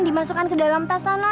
dimasukkan ke dalam tas lah non